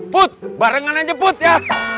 put barengan aja put ya